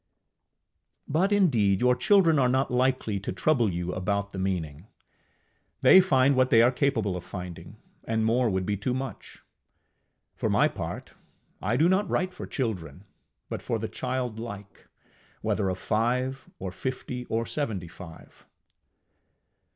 But indeed your children are not likely to trouble you about the meaning. They find what they are capable of finding, and more would be too much. For my part, I do not write for children, but for the childlike, whether of five, or fifty, or seventy five.